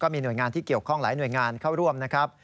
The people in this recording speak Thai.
มีหน่วยงานที่เกี่ยวข้องหลายหน่วยงานเข้าร่วมนะครับ